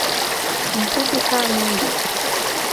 Mfupi ka nyundo